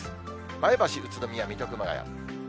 前橋、宇都宮、水戸、熊谷。